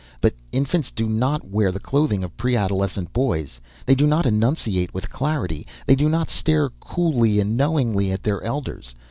But infants do not wear the clothing of pre adolescent boys, they do not enunciate with clarity, they do not stare coolly and knowingly at their elders.